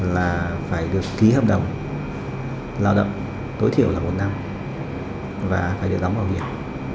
là phải được ký hợp đồng lao động tối thiểu là một năm và phải được đóng bảo hiểm